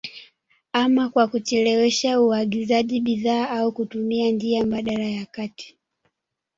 ama kwa kuchelewesha uagizaji bidhaa au kutumia njia mbadala ya kati